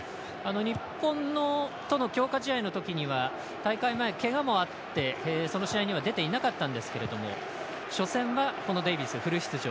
日本との強化試合の時には大会前、けがもあってその試合には出ていなかったんですけども初戦はデイビス、フル出場。